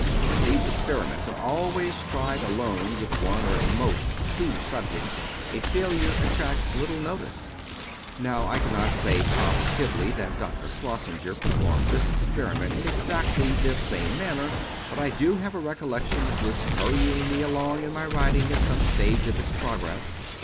As these experiments are always tried alone with one or, at most, two subjects, a failure attracts little notice. Now I cannot say positively that Dr. Schlossenger per formed this experiment in exactly this same manner; but I do have a recollection of his hurrying me along in my writing at some stage of its progress.